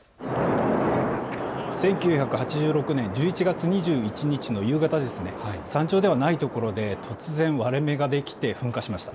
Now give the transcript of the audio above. １９８６年１１月２１日の夕方、山頂ではないところで突然、割れ目ができて噴火しました。